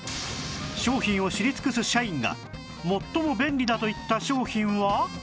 商品を知り尽くす社員が最も便利だと言った商品は？